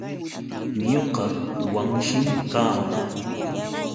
Ñuqa Wanshim kaa.